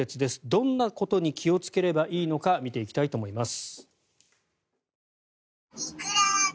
どんなことに気をつければいいのか見ていきたいと思います。